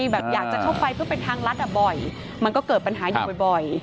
แบบอยากจะเข้าไปเพื่อเป็นทางลัดบ่อยมันก็เกิดปัญหาอยู่บ่อย